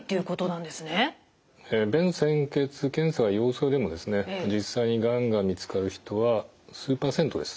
便潜血検査が陽性でも実際にがんが見つかる人は数％です。